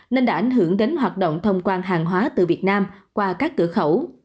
nên đã ảnh hưởng đến hoạt động thông quan hàng hóa từ việt nam qua các cửa khẩu